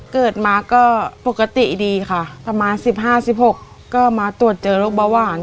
เกิดมาก็ปกติดีค่ะประมาณสิบห้าสิบหกก็มาตรวจเจอโรคบะหวาน